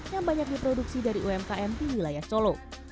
yang banyak diproduksi dari umkm di wilayah solo